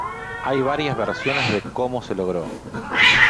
Hay varias versiones de cómo se logró.